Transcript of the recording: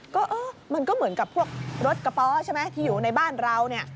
ก็เออมันก็เหมือนกับพวกรถกระป๋อใช่ไหมที่อยู่ในบ้านเราเนี่ย